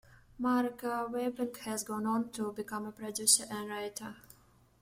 Mark Weinberg has gone on to become a producer and writer.